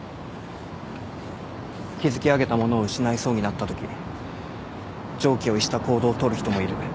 築き上げたものを失いそうになったとき常軌を逸した行動を取る人もいる。